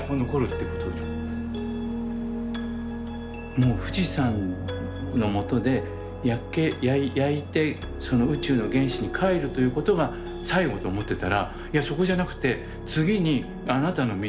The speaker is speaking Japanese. もう富士山のもとで焼いて宇宙の原子に還るということが最後と思ってたらいやそこじゃなくて次にあなたの道